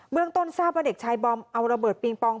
เมืองต้นทราบว่าเด็กชายบอมเอาระเบิดปิงปอง